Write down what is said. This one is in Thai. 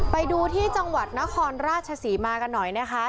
ไปดูที่จังหวัดนครราชศรีมากันหน่อยนะคะ